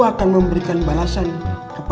shaq fez dengan vai sebeba